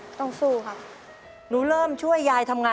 ขอต้อนรับครอบครัวน้องต้นไม้